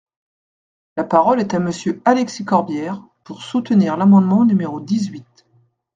La parole est à Monsieur Alexis Corbière, pour soutenir l’amendement numéro dix-huit.